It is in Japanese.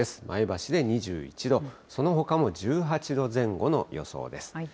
前橋で２１度、そのほかも１８度前後の予想です。